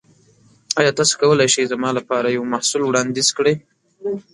ایا تاسو کولی شئ زما لپاره یو محصول وړاندیز کړئ؟